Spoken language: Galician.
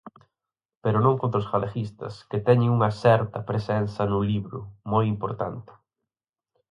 Pero non contra os galeguistas, que teñen unha certa presenza no libro, moi importante.